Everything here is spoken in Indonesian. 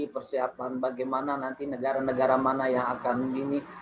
persiapan bagaimana nanti negara negara mana yang akan ini